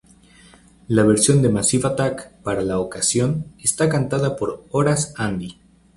La versión de Massive Attack para la ocasión está cantada por Horace Andy.